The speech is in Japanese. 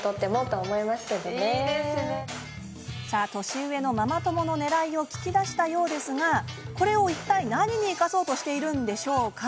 年上のママ友のねらいを聞き出したようですがこれを何に生かそうとしているんでしょうか？